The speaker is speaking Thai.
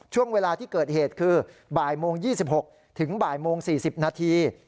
ช่วงเวลาที่เกิดเหตุคือบ่ายโมง๒๖ถึงบ่ายโมง๔๐นาที